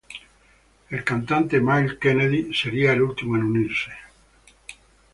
El cantante, Myles Kennedy, sería el último en unirse.